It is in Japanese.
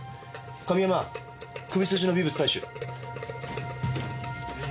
神山首筋の微物採取。